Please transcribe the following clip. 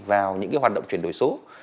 vào những cái hoạt động chuyển đổi số